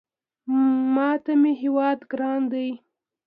ماته مې هېواد ګران دی